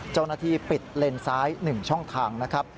เจ้าหน้าที่ปิดเลนซ้าย๑ช่องทางนะครับ